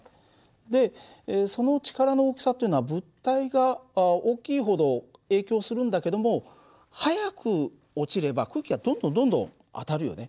でその力の大きさっていうのは物体が大きいほど影響するんだけども速く落ちれば空気はどんどんどんどん当たるよね。